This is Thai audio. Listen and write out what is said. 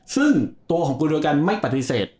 ซึ่งตัวของคุณโดยกันไม่ปฏิเสธ